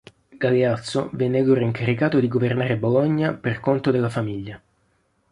Galeazzo venne allora incaricato di governare Bologna per conto della famiglia.